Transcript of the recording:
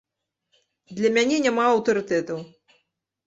Для мяне няма аўтарытэтаў.